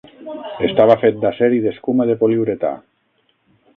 Estava fet d'acer i escuma de poliuretà.